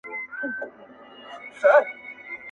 غلط دودونه نسلونه خرابوي ډېر-